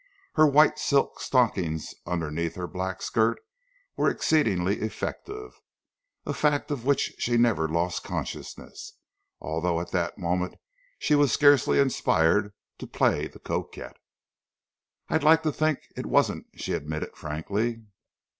Her white silk stockings underneath her black skirt were exceedingly effective, a fact of which she never lost consciousness, although at that moment she was scarcely inspired to play the coquette. "I'd like to think it wasn't," she admitted frankly.